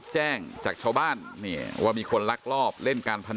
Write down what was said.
แจ้งจากชาวบ้านว่ามีคนลักลอบเล่นการพนัน